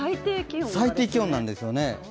最低気温なんですよね。